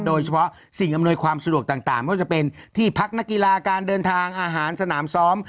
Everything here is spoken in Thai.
โดยเฉพาะสิ่งอำนวยความสะดวกต่างก็จะเป็นที่พักนักกีฬาการเดินทางอาหารสนามซ้อม